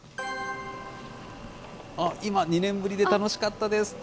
あっ、今、２年ぶりで楽しかったですって